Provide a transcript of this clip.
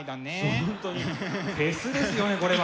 本当にフェスですよねこれは。